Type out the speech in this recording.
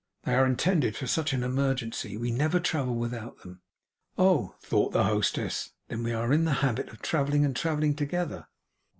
'They are intended for such an emergency. We never travel without them.' 'Oh!' thought the hostess, 'then we are in the habit of travelling, and of travelling together.